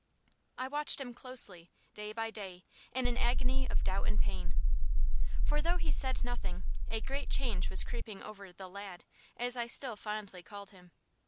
I watched him closely, day by day, in an agony of doubt and pain. For, though he said nothing, a great change was creeping over "the lad," as I still fondly called him.